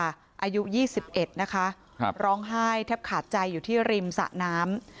อายุยี่สิบเอ็ดนะคะครับร้องไห้แทบขาดใจอยู่ที่ริมสระน้ำ